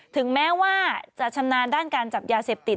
ถึงแม้ว่าจะชำนาญด้านการจับยาเสพติด